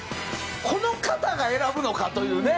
この方が選ぶのか！というね。